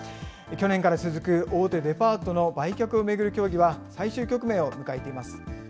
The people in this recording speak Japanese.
去年から続く大手デパートの売却を巡る協議は、最終局面を迎えています。